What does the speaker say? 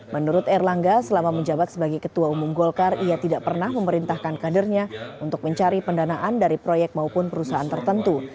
menurut erlangga selama menjabat sebagai ketua umum golkar ia tidak pernah memerintahkan kadernya untuk mencari pendanaan dari proyek maupun perusahaan tertentu